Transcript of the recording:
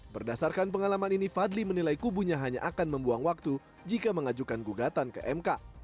berdasarkan pengalaman ini fadli menilai kubunya hanya akan membuang waktu jika mengajukan gugatan ke mk